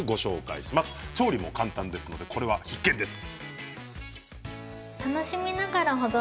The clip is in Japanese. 調理も簡単ですのでこれは必見です。